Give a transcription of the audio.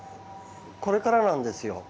これからなんですよ。